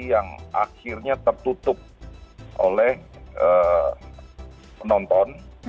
yang akhirnya tertutup oleh penonton